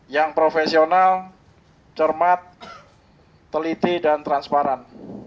yang profesional cermat teliti dan transparan